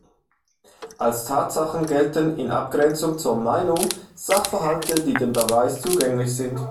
Als Tatsachen gelten in Abgrenzung zur Meinung Sachverhalte, die dem Beweis zugänglich sind.